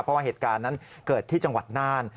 เพราะว่าเหตุการณ์นั้นเกิดที่จังหวัดน่าน